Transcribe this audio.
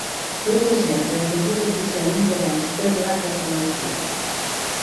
Des de sempre ha tingut especial interès per la cartografia.